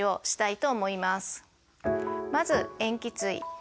まず塩基対。